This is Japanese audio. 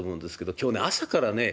今日ね朝からね